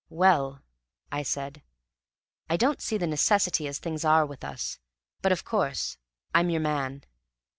"Well," I said, "I don't see the necessity as things are with us; but, of course, I'm your man."